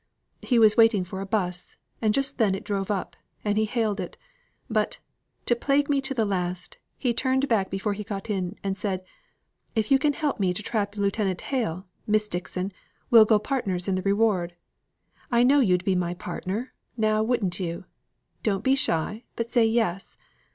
He was waiting for a bus, and just then it drove up, and he hailed it. But, to plague me to the last, he turned back before he got in, and said, 'If you can help me to trap Lieutenant Hale, Miss Dixon, we'll go partners in the reward. I know you'd like to be my partner, now wouldn't you? Don't be shy, but say yes.